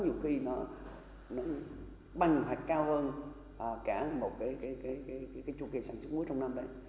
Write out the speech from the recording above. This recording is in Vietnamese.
nhiều khi nó băng hoạch cao hơn cả một cái chu kỳ sản xuất muối trong năm đấy